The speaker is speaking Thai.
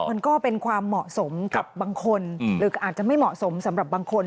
มันก็เป็นความเหมาะสมกับบางคนหรืออาจจะไม่เหมาะสมสำหรับบางคน